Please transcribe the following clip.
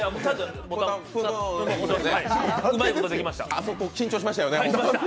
あそこ、緊張しましたよね。